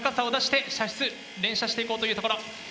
連射していこうというところ。